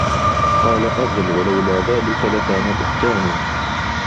قَالَ أَجَلْ وَلَوْلَا ذَلِكَ لَكَانَ بُهْتَانًا